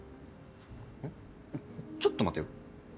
えっちょっと待てよ。